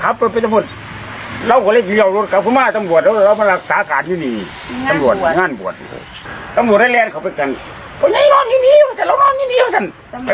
อืมดังนั้นถ้าฟังข้อมูลมาจนถึงนะตรงนี้นะคะ